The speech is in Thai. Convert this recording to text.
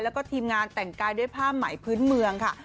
แล้วก็ทีมงานแต่งกายด้วยผ้าไหมพื้นเมืองค่ะ